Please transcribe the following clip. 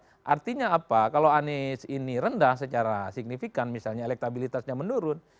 jadi pertanyaannya apa kalau anies ini rendah secara signifikan misalnya elektabilitasnya menurun